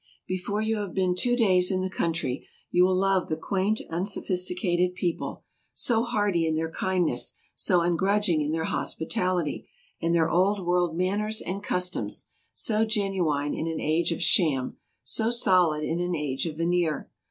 Before you have been two days in the country you will love the quaint, unsophisticated people, so hearty in their kindness, so ungrudging in their hospitality, and their Old World manners and customs, so genuine in an age of sham, so solid in an age of veneer.